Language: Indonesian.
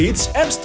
lain selain dokter